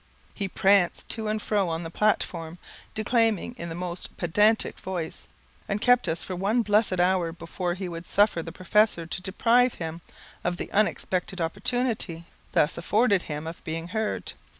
He pranced to and fro on the platform, declaiming in the most pedantic voice, and kept us for one blessed hour before he would suffer the professor to deprive him of the unexpected opportunity thus afforded him of being heard.